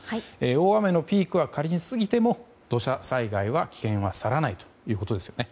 大雨のピークは仮に過ぎても土砂災害の危険は去らないということですよね。